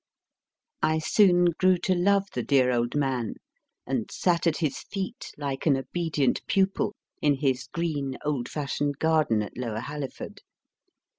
I soon grew to love the dear old man, and sat at his feet, like an obedient pupil, in his green old fashioned garden at Lower Halliford.